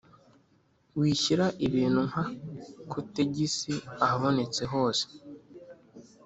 Wishyira ibintu nka kotegisi ahabonetse hose